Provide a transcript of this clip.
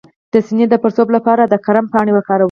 د سینې د پړسوب لپاره د کرم پاڼې وکاروئ